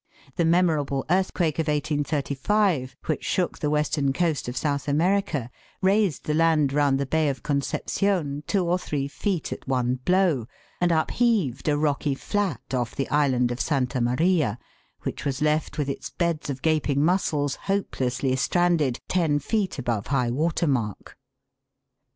The memorable earth quake of 1835, which shook the western coast of South America, raised the land round the Bay of Concepcion two or three feet at one blow, and upheaved a rocky flat off the island of Santa Maria, which was left with its beds of gaping mussels hopelessly stranded, ten feet above high water mark.